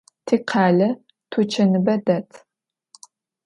Tikhale tuçanıbe det.